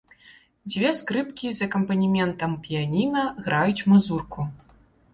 Дзве скрыпкі з акампанементам піяніна граюць мазурку.